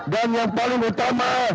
dan yang paling utama